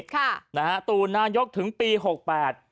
ค่ะนะฮะตู่นายกถึงปีหกแปด